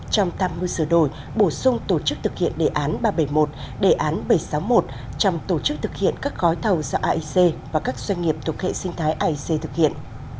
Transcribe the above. trong ba mươi giờ đổi bổ sung tổ chức thực hiện đề án ba trăm bảy mươi một đề án bảy trăm sáu mươi một trong tổ chức thực hiện các gói thầu do aic và các doanh nghiệp thuộc hệ sinh thái aic thực hiện